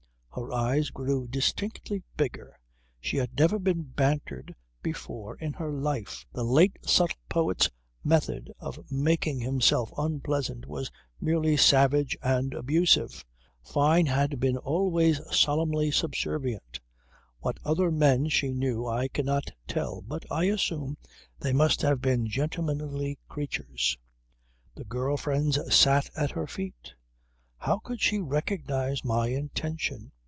Her eyes grew distinctly bigger. She had never been bantered before in her life. The late subtle poet's method of making himself unpleasant was merely savage and abusive. Fyne had been always solemnly subservient. What other men she knew I cannot tell but I assume they must have been gentlemanly creatures. The girl friends sat at her feet. How could she recognize my intention.